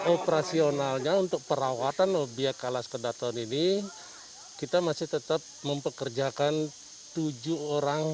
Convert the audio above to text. operasionalnya untuk perawatan obyek alas kedaton ini kita masih tetap mempekerjakan tujuh orang